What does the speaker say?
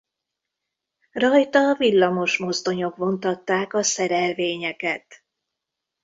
Rajta villamosmozdonyok vontatták a szerelvényeket.